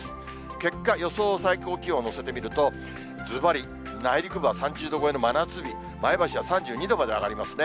結果、予想最高気温載せてみると、ずばり、内陸部は３０度超えの真夏日、前橋は３２度まで上がりますね。